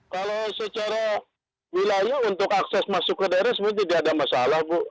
kalau secara wilayah untuk akses masuk ke daerah sebenarnya tidak ada masalah bu